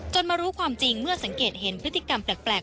มารู้ความจริงเมื่อสังเกตเห็นพฤติกรรมแปลก